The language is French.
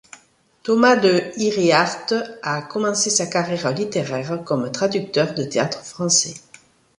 Tomás de Iriarte a commencé sa carrière littéraire comme traducteur de théâtre français.